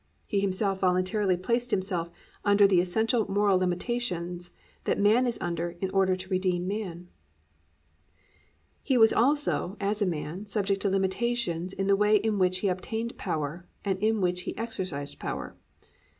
He Himself voluntarily placed Himself under the essential moral limitations that man is under in order to redeem man. 3. _He was also, as a man, subject to limitations in the way in which He obtained power and in which He exercised power.